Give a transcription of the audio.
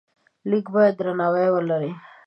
لیک باید درناوی ولري.